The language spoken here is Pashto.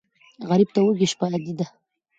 غریب ته وږې شپه عادي ده